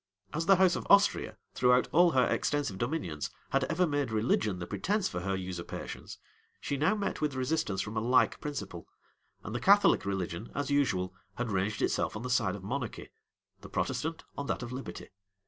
As the house of Austria, throughout all her extensive dominions, had ever made religion the pretence for her usurpations, she now met with resistance from a like principle; and the Catholic religion, as usual, had ranged itself on the side of monarchy; the Protestant, on that of liberty.